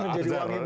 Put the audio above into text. jadi wangi banget